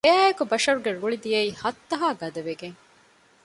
އެއާއެކު ބަޝަރުގެ ރުޅި ދިޔައީ ހައްތަހާ ގަދަވެގެން